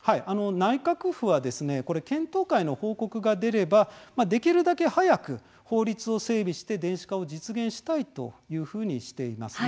内閣府は検討会の報告が出ればできるだけ早く法律を整備して電子化を実現したいとしています。